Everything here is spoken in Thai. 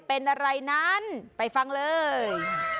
เป็นอะไรนั้นไปฟังเลย